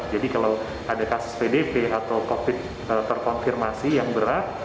jadi kalau ada kasus pdp atau covid terkonfirmasi yang berat